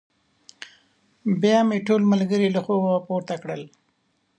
بيا مې ټول ملګري له خوبه پورته کړل.